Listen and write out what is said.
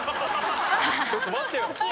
ちょっと待ってよ！